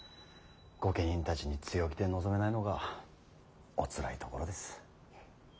御家人たちに強気で臨めないのがおつらいところです。